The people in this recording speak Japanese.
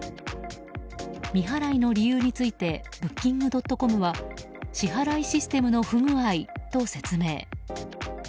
未払いの理由についてブッキングドットコムは支払いシステムの不具合と説明。